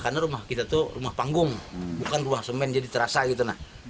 karena rumah kita tuh rumah panggung bukan rumah semen jadi terasa gitu